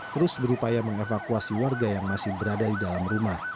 terus berupaya mengevakuasi warga yang masih berada di dalam rumah